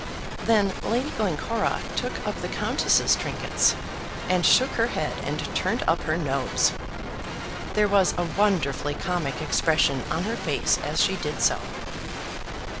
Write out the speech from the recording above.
Then Lady Glencora took up the Countess's trinkets, and shook her head and turned up her nose. There was a wonderfully comic expression on her face as she did so.